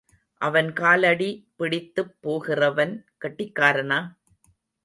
அவன் காலடி பிடித்துப் போகிறவன் கெட்டிக்காரனா?